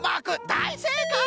だいせいかい！